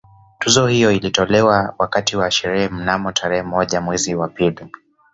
Tuzo hiyo ilitolewa wakati wa sherehe mnamo tarehe moja mwezi wa pili